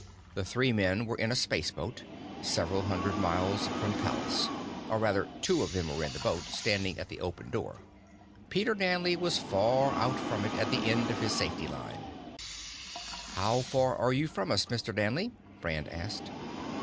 The three men were in a space boat, several hundred miles from Pallas. Or, rather, two of them were in the boat, standing at the open door. Peter Danley was far out from it, at the end of his safety line. "How far are you from us, Mr. Danley?" Brand asked.